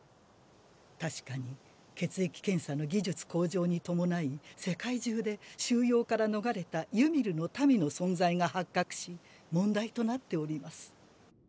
確かに血液検査の技術向上に伴い世界中で収容から逃れたユミルの民の存在が発覚し問題となっております。